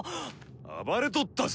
暴れとったぞ。